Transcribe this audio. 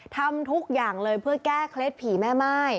ทำทุกอย่างเลยเพื่อแก้เคล็ดผีแม่ม่าย